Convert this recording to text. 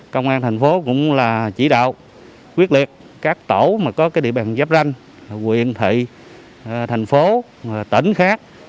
công an thành phố cũng là chỉ đạo quyết liệt các tổ mà có địa bàn giáp ranh quyện thị thành phố tỉnh khác